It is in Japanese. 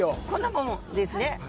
こんなもんですね。